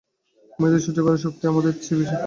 মেয়েদের সহ্য করবার শক্তি কি আমাদের চেয়ে বেশি, তাই ভাবি।